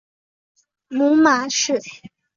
母马氏。